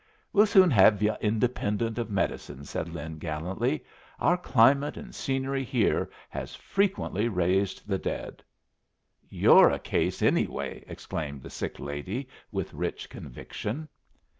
"We'll soon have yu' independent of medicine," said Lin, gallantly. "Our climate and scenery here has frequently raised the dead." "You're a case, anyway!" exclaimed the sick lady with rich conviction.